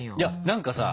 何かさ